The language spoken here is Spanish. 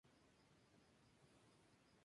Clair River del sistema ferroviario de Canadá.